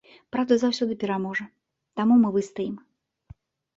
Праўда заўсёды пераможа, таму мы выстаім.